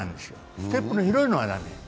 ステップの広いのが駄目。